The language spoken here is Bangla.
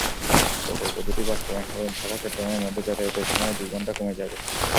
প্রকল্প দুটি বাস্তবায়ন হলে ঢাকা-চট্টগ্রামের মধ্যে যাতায়াতের সময় দুই ঘণ্টা কমে যাবে।